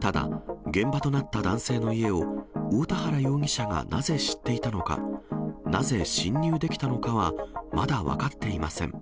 ただ、現場となった男性の家を大田原容疑者がなぜ知っていたのか、なぜ侵入できたのかは、まだ分かっていません。